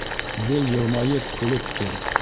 Гел йылмайып-көлөп тор.